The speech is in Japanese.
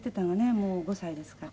もう５歳ですからね。